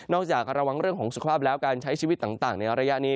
จากระวังเรื่องของสุขภาพแล้วการใช้ชีวิตต่างในระยะนี้